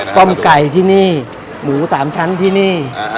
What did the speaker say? ต้มไก่ที่นี่หมู๓ชั้นที่นี่